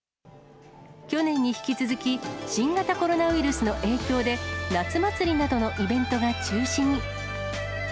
去年に引き続き、新型コロナウイルスの影響で、夏祭りなどのイベントが中止に。